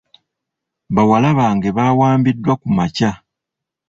Bawala bange baawambiddwa kumakya.